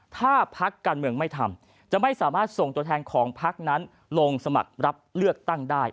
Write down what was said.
ถ้าพักการเมืองไม่ทำจะไม่สามารถส่งตัวแทนของพักนั้นลงสมัครรับเลือกตั้งได้